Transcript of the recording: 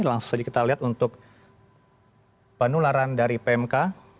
langsung saja kita lihat untuk penularan dari pmk